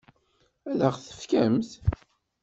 Ad ɣ-t-tefkemt?